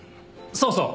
そうそう！